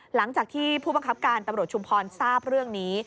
หลังจากที่ผู้บังคับการตำรวจชุมพรทราบเรื่องนี้